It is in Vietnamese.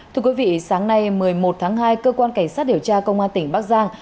thưa quý vị sáng nay một mươi một tháng hai cơ quan cảnh sát điều tra công an tỉnh bắc giang